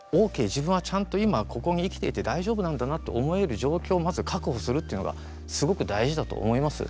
自分はちゃんと今ここに生きてて大丈夫なんだなと思える状況をまず確保するっていうのがすごく大事だと思います。